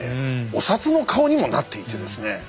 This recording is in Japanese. お札の顔にもなっていてですね